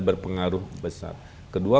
berpengaruh besar kedua